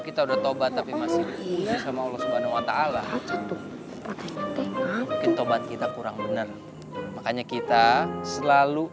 kita udah tobat tapi masih sama allah subhanahu wa ta'ala kita kurang benar makanya kita selalu